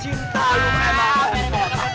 cinta lu memang repot